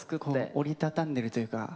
折り畳んでるというか。